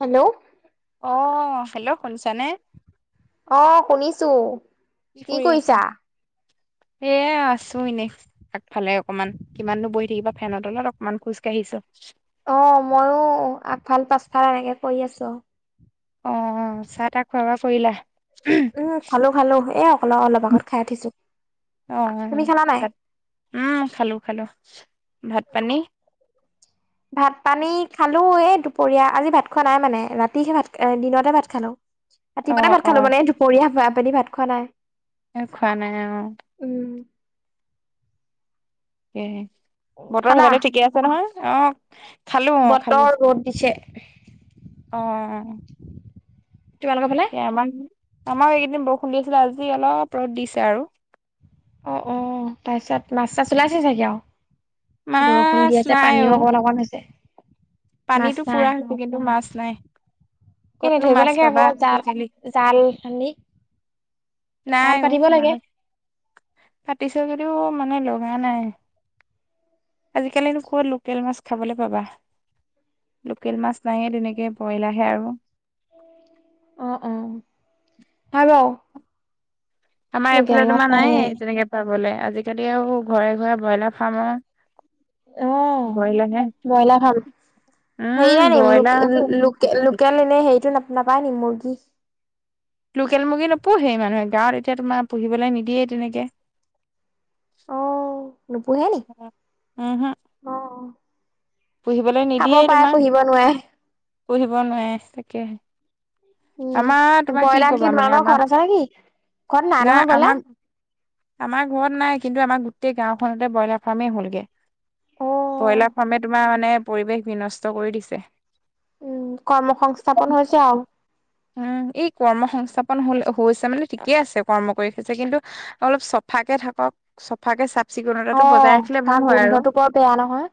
Hello? অ hello শুনছানে? অ শুনিছো, কি কৰিছা? সেয়ে আছোঁ ইনে। আগফালে অকনমান কিমাননো বহি থাকিবা ফেনত তলত অকনমান খোজ কাঢ়িছো। অ মইও আগফাল পাছফাল এনেকে কৰি আছো। অ চাহ - তাহ খোৱা-বোৱা কৰিলা? উম খালো খালো, এ অকল অলপ আগত খাই উঠিছো, অ তুমি খালা নাই? ভাত উম খালো খালো ভাত পানী। ভাত - পানী খালো এই দুপৰীয়া আজি ভাত খোৱা নাই মানে ৰাতিহে ভাত এ দিনতে ভাত খালো। অ ৰাতিপুৱাতে ভাত অ খালো মানে দুপৰীয়া পা পানী ভাত খোৱা নাই। এই খোৱা নাই আৰু। উম। কেহে বতৰৰ খালা সেইফালে ঠিকে আছে নহয়, অহ খালো অ খালো। বতৰ ৰ'দ দিছে অ। তোমালোকৰ ফালে? এ আমাক, আমাক এইকেইদিন বৰষুণ দি আছিলে আজি অলপ ৰ'দ দিছে আৰু। অ অ তাৰপিছত মাছ - চাছ ওলাইছে চাগে আৰু? বৰষুণ মাছ দি আছে, পানীও অকমান অকমান হৈছে। মাছ পানীটো নাই পুৰা হৈছে কিন্তু মাছ নাই, এনে কতনো ধৰিব মাছ লাগে আকৌ পাবা জাল বুজিলি। জাল খানি নাই অ মাছ, পাতিছ কিদিও মানে লগা নাই। আজিকালিনো ক'ত লোকেল মাছ খাবলৈ পাবা? লোকেল মাছ নাইয়ে তেনেকে বইলাৰহে আৰু। অ অ, আৰু আমাৰ এইফালে তোমাৰ নাইয়ে তেনেকে পাবলে, আজিকালি আৰু ঘৰে ঘৰে ব্ৰইলাৰ ফাৰ্মৰ অ ব্ৰইলাৰহে বইলাৰ ফাৰ্ম। হেৰি উম নাই নিকি ব্ৰইলাৰ লোকে লো লোকে লোকেল এনেই হেৰিটো ন নাপায় নি মুৰ্গী? লোকেল মুৰ্গী নোপোহে মানুহে, গাঁৱত এতিয়া তোমাৰ পুহিবলৈ নিদিয়েই তেনেকে। [inaudible] নুপুহে নি? উমহু অ অ। পুহিবলৈ খাব নিদিয়েই পাৰে, তোমাৰ পুহিব নোৱাৰে। পুহিব নোৱাৰে তাকে। উম, আমাৰ তোমাৰ কি ব্ৰইলাৰ কবা মানে তোমালোকৰ ঘৰত আমাৰ? আছে নেকি? ঘৰত নহয় নাই ব্ৰইলাৰ? আমাৰ আমাৰ ঘৰত নাই কিন্তু আমাৰ গোটেই গাঁওখনতে ব্ৰইলাৰ ফাৰ্মেই হ'লগে। অ', ব্ৰইলাৰ ফাৰ্মে তোমাৰ মানে পৰিৱেশ বিনষ্ট কৰি দিছে। উম কৰ্ম সংংস্থাপন হৈছে আৰু। উম এই কৰ্ম সংস্থাপন হল হৈছে মানে ঠিকেই আছে কৰ্ম কৰি হৈছে কিন্তু অলপ চফাকে থাকক। চাফাকে চাফ চিকুণতাটো বজাই অ' ৰাখিলে ভাল তাৰ হয় আৰু গোন্ধটো বৰ বেয়া নহয়,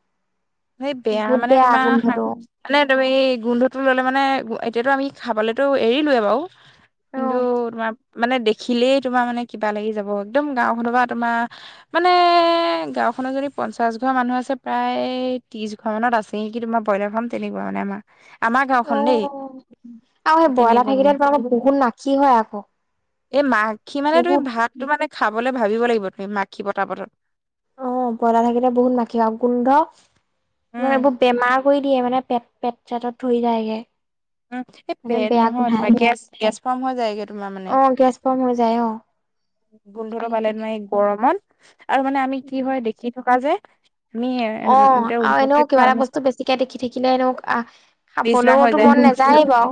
সেই বেয়া বহুত মানে তোমাৰ গোন্ধটো। মানে তুমি গোন্ধটো ললে মানে এতিয়াতো আমি খাবলেতো এৰিলোৱে বাৰু কিন্তু অ', তোমাৰ মানে দেখিলেই তোমাৰ মানে কিবা লাগি যাব একদম গাঁওখনৰ পৰা তোমাৰ মানে গাওঁ খনৰ যদি পঞ্চাছ ঘৰ মানুহ আছে প্ৰায় ত্ৰিছ ঘৰখনত আছে নেকি তোমাৰ ব্ৰইলাৰ ফাৰ্ম তেনেকুৱা মানে আমা আমাৰ অ' গাঁওখন দেই আৰু সেই ব্ৰইলাৰ তেনেকুৱা উম থাকিলে তোমালোকৰ বহুত নাখি হয় আকৌ এই মাখি মানে তুমি বহুত। ভাত এইটো মানে খাবলে ভাবিব লাগিব তুমি মাখি পতাপতত অ ব্ৰইলাৰ থাকিলে বহুত মাখি হয় গোন্ধ তোমাৰ উম এইবোৰ বেমাৰ কৰি দিয়ে মানে পেট পেট চেটত ধৰি যায়গে উম এই মানে পেট বেয়া নহয় গোন্ধাই তোমাৰ গেছ গেছ হৈ যায়গে তোমাৰ মানে ফম যায় অ গোন্ধটো পালে সেইটোৱে। মানে এই গৰমত আৰু মানে আমি কি হয় দেখি থকা যে আমি তেওঁ [unintelligible] এতিয়া দেখি থাকিলেনো আহ বিশনা হৈ খাবলৈওতো যায় মন উম নাযায়েই বাৰু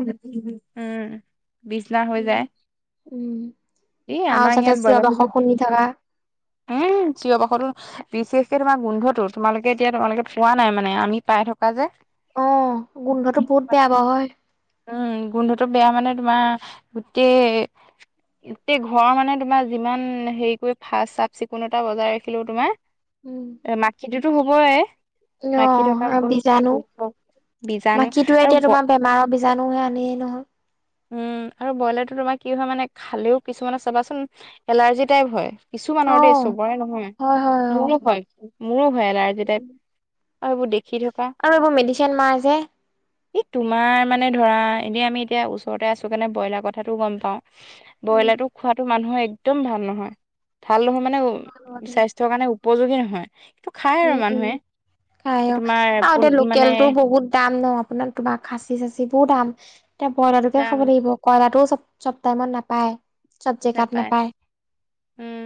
বিশনা হৈ যায় উম, উম, এই আৰু আমাৰ চাগে ইয়াত চিঞৰ বাখৰ শুনি থকা ব্ৰইলাৰ উম চিঞৰ বাখৰটো বিশেষকে তোমাৰ গোন্ধটো তোমালোকে এতিয়া তোমালোকে পোৱা নাই মানে আমি পাই থকা যে অ গোন্ধটো বহুত বেয়া পাওঁ হয় উম গোন্ধটো বেয়া মানে তোমাৰ গোটেই গোটেই ঘৰৰ মানে তোমাৰ যিমান হেৰি কৰি ফা চাফ চিকুণতা বজাই ৰাখিলেঁও তোমাৰ উম, এ মাখিটোতো হবই অ মাখি থকা আৰু বিজাণু বীজাণু মাখিটোয়ে এতিয়া আৰু তোমাৰ বেমাৰত বীজাণু সেই আনেই নহয় উম আৰু ব্ৰইলাৰটো তোমাৰ কি হয় মানে খালেও কিছুমানৰ চাবাচোন এলাৰ্জি টাইপ হয় কিছুমানৰ দেই অ', চবৰে নহয় হয় হয় অ', মোৰো হয় মোৰো হয় এলাৰ্জী টাইপ আৰু এইবোৰ দেখি থাকো আৰু এইবোৰ মেডিচিন মাৰা যে এই তোমাৰ মানে ধৰা এনেই আমি এতিয়া ওচৰতে আছো কাৰণে ব্ৰইলাৰ কথাটো গম পাওঁ উম। ব্ৰইলাৰটো খোৱাটো মানুহৰ একদম ভাল নহয় ভাল নহয় মানে স্বাস্থ্য উম স্বাস্থ্য কাৰণে উপযোগী নহয় কিন্তু খাই আৰু উম উম মানুহে আয় তোমাৰ আৰু পোন- মানে লোকেলটো বহুত দাম ন আপোনাৰ তোমাৰ খাচী চাচি বোৰ দাম এতিয়া ব্ৰইলাৰটোকে দাম খাব লাগিব কইলাটোও চব চব টাইমত নাপায় চব জেগাত নাপায় নেপায় উম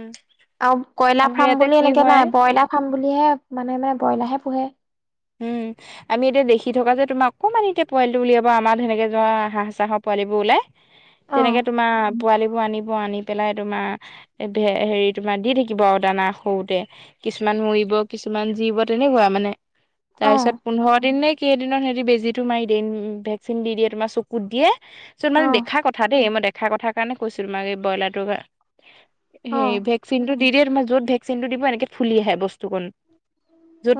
আৰু কইলাৰ আমাৰ ফাৰ্ম ইয়াতে বুলি কি এনেকে হয় নাই ব্ৰইলাৰ ফাৰ্ম বুলিহে মানে মানুহে পুহে উম আমি এতিয়া দেখি থকা যে তোমাৰ অকণমানিতে পোৱালিটো উলিয়াব আমাৰ যেনেকে হাঁহ চাহাৰ পোৱালিবোৰ ওলাই অ তেনেকে তোমাৰ পোৱালিবোৰ আনিব আনি পেলাই তোমাৰ এ ধে হেৰি তোমাৰ দি থাকিব আৰু দানা সৰুতে কিছুমান মৰিব কিছুমান জীয়িব তেনেকুৱা মানে তাৰ অ পিছত পোন্ধৰ দিন নে কেইদিনত সিহতি বেজীতো মাৰি ভেকচিন দি দিয়ে তোমাৰ চকুত দিয়ে চ মই অ দেখা কথা দেই মই দেখা কথা কাৰণে কৈছো তোমাক এই ব্ৰইলাৰটোৰ অ সেই ভেকচিনটো দি দিয়ে তোমাৰ য'ত ভেকচিনটো দিব এনেকে ফুলি আহে বস্তুকোণ।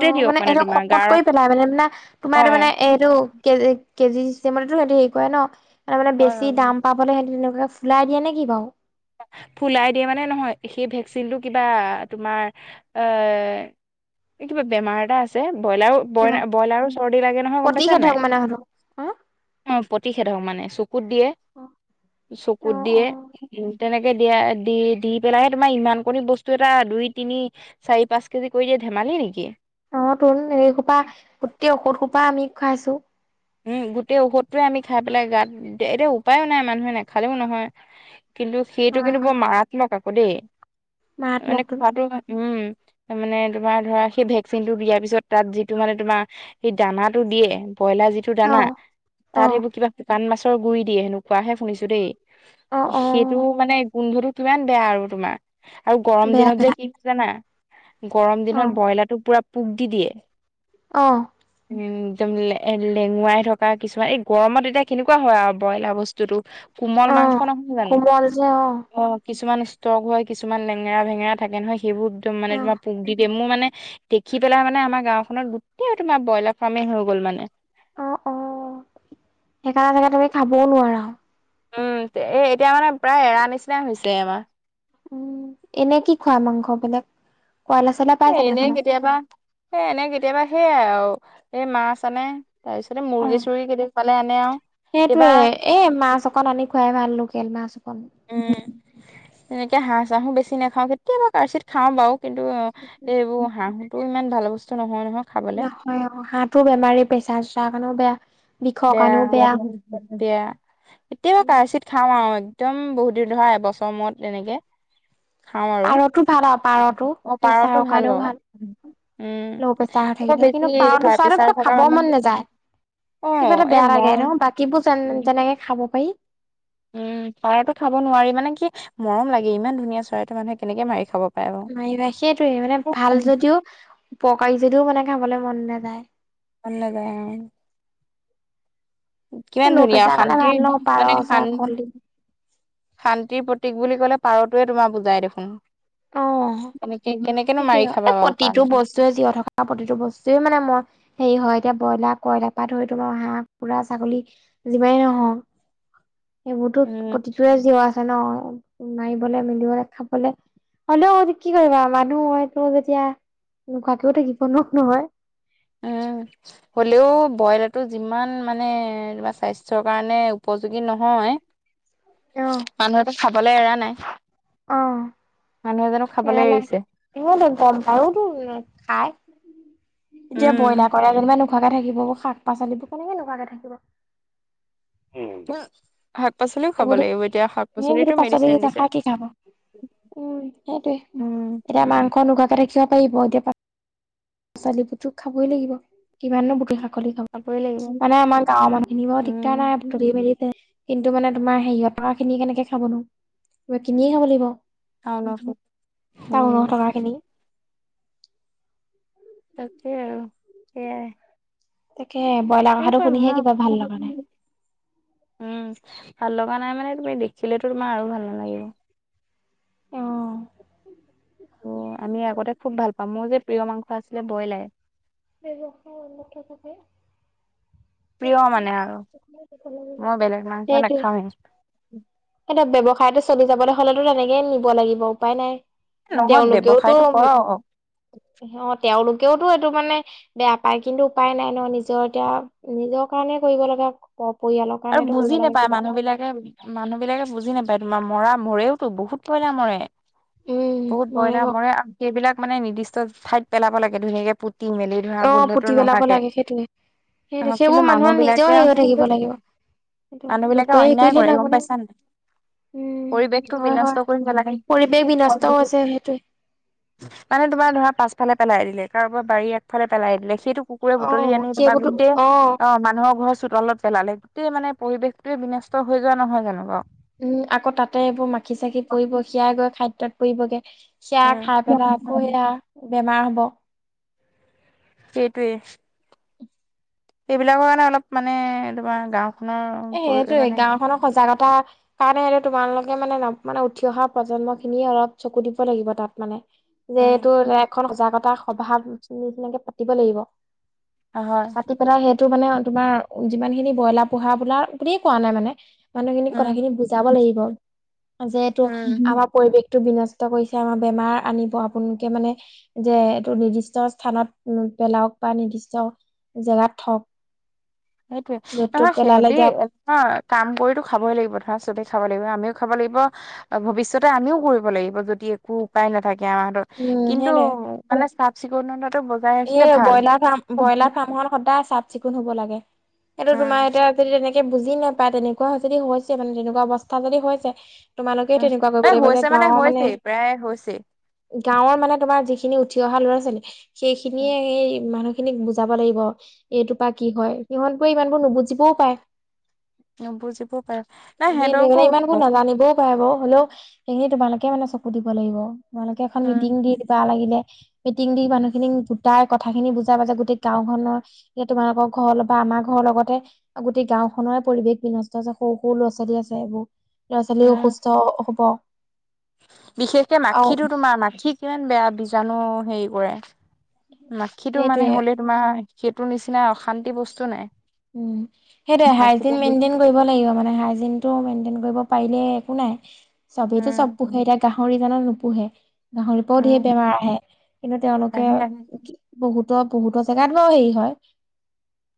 অ দিয়ক মানে এইটো তোমাক। শকত কৰি পেলাই মানে, মানে তোমাৰ তাৰ মানে এইটো কেজ- কেজী চিষ্টেমতেটো হেহঁতি হেই কৰে ন' তাৰমানে বেছি হয় দাম পাবলে হেহঁতি তেনেকুৱা ফুলাই দিয়ে নেকি বাৰু? ফুলাই দিয়ে মানে নহয় সেই ভেকচিনটো কিবা তোমাৰ এ এ কিবা বেমাৰ এটা আছে বইলাৰ বইলা-বইলাৰো চৰ্দি লাগে নহয় গম পাইছা নে প্ৰতিষেধক মানে সেইটো নাই অ'প্ৰতিষেধক মানে চু কুত দিয়ে অ চকুত দিয়ে অ', তেনেকে দিয়া দি, দি পেলাইহে তোমাৰ ইমান কৰি বস্তু এটা দুই, তিনি চাৰি, পাঁচ কেজি কৰি দিয়া ধেমালি নেকি অ' তোন এই খোপা গোটেই ঔষধ খোপা আমি খাইছো। উম, গোটেই ঔষধটোৱে খাই পেলাই গাত দে এতিয়া উপায়ো নাই মানুহে নেখালেও নহয়। কিন্তু সেইটো কিন্তু বৰ মাৰাত্মক আকৌ দেই মাৰাত্মক অ'মানে তোন খোৱাটো উম, তাৰ মানে তোমাৰ ধৰা সেই ভেকচিনটো বিয়া পিছত তাত যিটো মানে তোমাৰ সেই দানাটো দিয়ে বইলাৰ যিটো দানা অ', তাত অ', সেইবোৰ কিবা শুকান মাছৰ গুৰি দিয়ে সেনেকুৱাহে শুনিছো অ', দেই। সেইটো অ', মানে গোন্ধটো কিমান বেয়া আৰু তোমাৰ। আৰু গৰম বেয়া দিনত যে বেয়া কি [unintelligible] জানা গৰম অ', দিনত বইলাৰটো পুৰা পোক দি দিয়ে। অ', উম, দম লে লেঙুৱাই থকা কিছুমান এই গৰমত এতিয়া কেনেকুৱা হয় আৰু বইলাৰ বস্তুটো কোমল মাংস অ', নহয় জানো কোমল যে অ', অ'কিছুমান আছ ষ্ট্ৰং হয় কিছুমান লেঙেৰা ভেঙেৰা থাকে নহয় সেইবোৰ একদম মানে অ', তোমাৰ পোক দি দিয়ে। মোৰ মানে দেখি পেলাই মানে আমাৰ গাওখনত গোটেই তোমাৰ বইলাৰ ফাৰ্মেই হৈ গ'ল মানে। অ' অ' সেইকাৰণে চাগে তুমি খাবও নোৱাৰা। উম, তে এ এতিয়া মানে প্ৰায় এৰা নিচিনাই হৈছে আমাৰ। উম, এনে কি খোৱা মাংস বেলেগ কয়লা- চয়লা এ পাই জানো এনেই সেইখনত? কেতিয়াবা, এ এনেই কেতিয়াবা সেইয়াই য়াও এ মাছ আনে। তাৰপিছতে মুৰ্গী, অ', চোৰ্গী কেতিয়াকে পালে আনে আৰু এইবা সেইটোয়ে এ মাছ অকণ আনি খুৱাই ভাল লোকেল মাছ অকণ। উম, তেনেকে হাঁহ-চাহ ও বেছি নাখাওঁ কেতিয়াবা কাৰচিত খাওঁ বাৰু কিন্তু [inaudible] এইবোৰ হাঁহটো ইমান ভাল বস্তু নহয়, নহয়। খাবলে নহয় অ' হাঁহতো বেমাৰী প্ৰেছা-চেচাৰৰ কাৰণেও বেয়া। বিষৰ বেয়া, কাৰণেও বেয়া এতিয়াবা কাৰ্চিৎ খাওঁ আৰু একদম বহুত দিন ধৰা এবছৰ মূৰত এনেকে। খাও আৰু পাৰতো ভাল আৰু পাৰতো অ' পাৰতো প্ৰেছাৰৰ ভাল কাৰণেও বাৰো উম, ল' প্ৰেছাৰ হৈ আকৌ থাকিলে কিন্তু বেছি হাই পাৰতো চোৱাটো কিবা প্ৰেছৰ থকা খাব মন নাযায় মানুহ অ কিবা এটা এই বেয়া লাগে মৰম ন, বাকীবোৰ যেন- যেনেকে খাব পাৰি উম, পাৰতো খাব নোৱাৰি মানে কি মৰম লাগে ইমান ধুনীয়া চৰাইটো মানুহে কেনেকে মাৰি খাব পাৰে বাৰু। মাৰিবা সেইটোয়ে মানে ভাল যদিও উপকাৰী যদিও মানে খাবলৈ মন নাযায়। মন নাযায় অ। কিমান ল' ধুনীয়া অ' প্ৰেছাৰ কাৰণে ভাল শান্তিত ন পাৰ মানে চা শান কলডিল শান্তিৰ প্ৰতীক বুলি ক'লে পাৰটোৱে তোমাৰ বুজাই দেখোন। অ এনেকে কেনেকেনো সেইটোয়ে মাৰি এই খাবা বাৰু প্ৰতিটো কোৱাচোন? বস্তুৱে জীয়াই আৰু প্ৰতিটো বস্তুৱে মানে মোৰ হেৰি হয়, এতিয়া ব্ৰইলাৰ, কইলাৰ পৰা ধৰিতো মই হাঁহ, কুকুৰা, ছাগলী যিমানেই নহওঁক সেইবোৰতো উম প্ৰতিটোৰে জিয় আছে ন, মাৰিবলৈ, মিলিবলৈ, খাবলে। হ'লেও কি কৰিবা, মানুহ হৈছোঁ যেতিয়া নোখোৱাকেও থাকিব নোৱাৰো নহয়। উম। হ'লেও বইলাৰটো যিমান মানে তোমাৰ স্বাস্থ্যৰ কাৰণে উপযোগী নহয়। অ', মানুহেতো খাবলৈ এৰা নাই। অঁ, মানুহে জানো এৰা খাবলৈ নাই। এৰিছে [unintelligible] খাই, এতিয়া বইলাৰ উম কইলা যেনিবা নো নোখোৱাকে থাকিব, শাক-পাচলিবোৰ কেনেকে নোখোৱাকে থাকিব। শাক-পাচলিও খাব সেইবোৰতো লাগিব এতিয়া, সেইবোৰতো শাক-পাচলিতটো পাচলি মেদিচিন দিছে। নাখাই কি খাব উম, সেইটোৱে, উম এতিয়া মাংস নোখোৱাকে থাকিব পাৰিব, এতিয়া [unintelligible] খাবই লাগিব, কিমান নো [unintelligible] খাবই লাগিব [unintelligible] মানে আমাৰ গাঁৱৰ মানুহখিনিৰ বাৰো দিগদাৰ নাই, উম তুলি-মেলি [unintelligible] কিন্তু মানে তোমাৰ হেৰিয়ঁত থকা খিনি কেনেকে খাবনো, কিনিয়ে খাব লাগিব। [unintelligible] টাউনত উম। থকা খিনি। তাকেই আৰু, সেইয়াই। তাকে, ব্ৰইলাৰ কথাটো শুনিহে কিবা ভাল লগা নাই। মই উম, ভাল লগা নাই মানে, তুমি দেখিলেতো তোমাৰ আৰু ভাল নালাগিব। অ, আমি আগতে খুব ভাল পাওঁ, মোৰ যে প্ৰিয় মাংস আছিলে ব্ৰইলাৰে। ব্যৱসায় উন্নত থাকে। প্ৰিয় মানে আৰু মই বেলেগ মাংস সেইটোৱে। নাখাওৱেই এতিয়া ব্যৱসায়টো চলি যাবলৈ হ'লেতো তেনেকে নিব লাগিব, উপায় নাই। নহয় তেওঁলোকেওতো ব্যৱসায়টো কৰক অ, তেওঁলোকেওতো এইটো মানে বেয়া পাই, কিন্তু উপায় নাই ন, নিজৰ এতিয়া নিজৰ কাৰণে কৰিব লাগে আকৌ স-পৰিয়ালৰ আৰু কাৰণেতো বুজি কৰিব লাগে নোপায় কিবা মানুহ এটা। বিলাকে মানুহ বিলাকে বুজি নাপায়, তোমাৰ মৰা, মৰেওতো বহুত বইলা মৰে। উম বহুত বইলাৰ ক মৰে, আৰু সেইবিলাক মানে নিৰ্দিষ্ট ঠাইত পেলাব লাগে, ধুনীয়াকে পুত তি-মেলি ধৰা, অ গোন্ধটো পুতি পেলাব নহাকে। লাগে সেইটোৱে সেই অ, সেইবোৰ কিন্তু মানুহৰ নিজেও মানুহবিলাকে হেৰি হৈ থাকিব লাগিব সেইটো মানুহ লোকে বিলাকে হেৰি অন্যায় কৰিলে কৰে, নহব গম নহয় পাইছা নে নাই। উম পৰিবেশ হয় হয় বিনষ্ট কৰি পৰিৱেশ বিনষ্ট পেলাইছে। হৈছে সেইটোৱে মানে তোমাৰ ধৰা, পাছফালে পেলাই দিলে, কাৰোবাৰ পৰা বাৰীৰ আগফালে পেলাই দিলে, সেইটো কুকুৰে বুটলি অ', আনি তোমাৰ সেইবোৰতো গোটেই অ, মানুহৰ ঘৰৰ চোতালত পেলালে। টেই মানে পৰিৱেশটোৱে বিনষ্ট হৈ যোৱা নহয় জানো। উম, আকৌ তাতে এইবোৰ মাখি-চাখি পৰিব, সেয়াই গৈ খাদ্যত পৰিবগে। সেয়া খাই পেলাই আকৌ সেয়া বেমাৰ হ'ব। সেইটোৱে। এইবিলাকৰ কাৰণে অলপ মানে তোমাৰ গাঁও এ, সেইটোৱে, গাওখনৰ সজাগতা কাৰণেটো তোমালোকে মানে, মানে উঠি অহা প্ৰজন্ম খিনিয়ে অলপ চকু দিব লাগিব, তাত মানে। যে এইটো এখন সজাগতা সভা [unintelligible] পাতিব লাগিব। হয়। [unintelligible] সেইটো মানে তোমাৰ যিমান খিনি ব্ৰইলাৰ পোহা বোলা বুলিয়ে কোৱা নাই মানে। মানুহ খিনিক উম কথাখিনি বুজাব লাগিব যে, এইটো আমাৰ পৰিৱেশ। বিনষ্ট কৰিছে আমাৰ বেমাৰ আনিব আপোনোকে মানে যে এইটো নিৰ্দিষ্ট স্থানত উ পেলাওক বা নিৰ্দিষ্ট জেগাত থওক। সেইটোৱে য'ত ত'ত নহয় পেলালে সেহঁতি এতিয়া অ' কাম কৰিতো খাবই লাগিব ধৰা চবে খাব লাগিব। আমিও খাব লাগিব। ভৱিষ্যতে আমিও কৰিব লাগিব যদি একো উপায় নাথাকে আমাৰ হাতত। উম কিন্তু সেইটোৱে মানে চাফ চিকুণতটো ব এই ব্ৰইলাৰ ফাৰ্ম ব্ৰইলাৰ ফাৰ্মখন সদায় চাফ চিকুণ হ'ব লাগে। সেইটো তোমাৰ এতিয়া। যদি তেনেকে বুজি নাপায় তেনেকুৱা যদি হৈছে মানে তেনেকুৱা অৱস্থা যদি হৈছে তোমালোকে তেনেকুৱা এ কৰিব হৈছে লাগিবগে। গাঁৱৰ মানে হৈছেই প্ৰায় হৈছেই। গাঁৱৰ মানে তোমাৰ যিখিনি উঠি অহা ল'ৰা-ছোৱালী সেইখিনিয়ে হেই মানুহ খিনিক বুজাব লাগিব। এইটোৰপা কি হয়? সিহঁতবোৰে ইমানবোৰ নুবুজিবও পায়। বুজিবও পাই। নাই সিহঁতকো উঠ ৱা আকৌ, হ'লেও সেইখিনি তোমালোকে মানে চকু দিব লাগিব। তোমালোকে এখন উম, মিটিং দি দিবা লাগিলে। মিটিং দি মানুহ খিনি গোটাই কথা খিনি বুজাবা যে গোটেই গাঁওখনৰ এ তোমালোকৰ ঘৰ ল বা আমাৰ ঘৰ লগতে গোটেই গাঁওখনেৰে পৰিৱেশ বিনষ্ট আছে সৰু সৰু ল'ৰা-ছোৱালী আছে এইবোৰ। ল'ৰা-ছোৱালীও উম, অসুস্থ হ'ব। বিশেষকে আৰু মাখিটো তোমাৰ, মাখি কিমান বেয়া বীজাণু হেৰি কৰে। মাখিটো মানে সেইটোৱে হ'লে তোমাৰ সেইটোৰ নিচিনা অশান্তি বস্তু নাই। উম, সেইটোয়ে মাখিটো হাইজিন মেইণ্টেইন কৰিব লাগিব, মানে হাইজিন। টো মেইণ্টেইন কৰিব পাৰিলে একো নাই। উম, চবেইতটো চব পোহে এতিয়া গাহৰি জান নোপোহে। গাহৰিৰ পৰাও ঢেৰ উম, বেমাৰ আহে কিন্তু তেওঁলোকে আহে আহে বহুত বহুতৰ জেগাত হয় হেৰি হয়।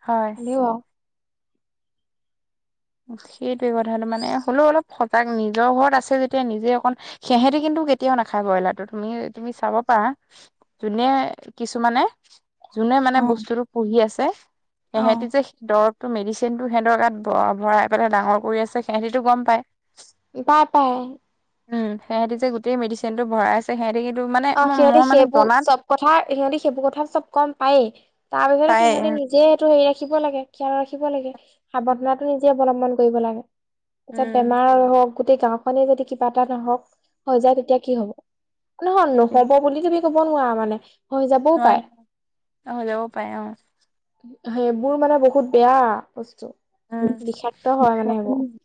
হয়। হ'লেও আৰু সেইটোৱে কথাটো মানে। হ'লেও অলপ সজাগ নিজৰ ঘৰত আছে যেতিয়া নিজে অকণ সেহেঁতে কিন্তু কেতিয়াও নাখায় ব্ৰইলাৰটো। তুমি তুমি চাব পাৰা। যোনে কিছুমানে যোনে মানে অ বস্তুটো পুহি আছে, সেহঁতি যে অ', দৰবটো মেডিচিনটো সিহঁতৰ গাত ব ভৰাই পেলাই ডাঙৰ কৰি আছে সেহেঁতিতো গম পায়। পাই পাই। উম সেহেঁতি যে গোটেই মেডিচিনটো ভৰাই আছে। সেহেঁতি সেইতো মানে অহ মই সিহঁতে মই মানে সেইবোৰ জনাত চব কথা সিহঁতে সেইবোৰ কথা চব গম পায়েই। তাৰ পিছতো পায় সিহঁতি নি জে সেইটো হেৰি ৰাখিব লাগে। খেয়াল ৰাখিব লাগে। সাৱধানতাটো নিজে অৱলম্বন কৰিব লাগে। পিছত বেমাৰ হওক গোটেই গাঁওখনে যদি কিবা এটা নহওক হৈ যায় তেতিয়া কি হ'ব? নহয় সেইটোৱে নহ'ব বুলি তুমি ক'ব নোৱাৰা মানে। হৈ যাবও নোৱাৰি পায়। হৈ যাব পাৰে অ সেইবোৰ মানে বহুত বেয়া বস্তু। বিষাক্ত হয় মানে সেইবোৰ। উম।